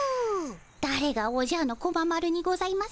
だれが「おじゃのコマ丸」にございますか。